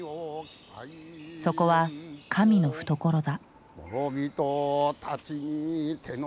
そこは神の懐だ。